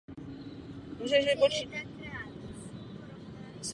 Farnost se pravidelně účastní projektu Tříkrálová sbírka.